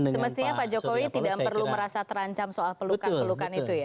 semestinya pak jokowi tidak perlu merasa terancam soal pelukan pelukan itu ya